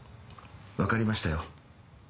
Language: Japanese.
分かりましたよ